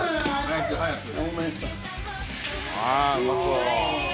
「ああうまそう」